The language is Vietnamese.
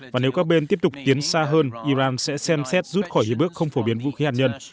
và nếu các bên tiếp tục tiến xa hơn iran sẽ xem xét rút khỏi hiệp ước không phổ biến vũ khí hạt nhân